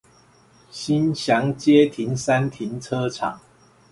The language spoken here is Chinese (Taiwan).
興祥街停三停車場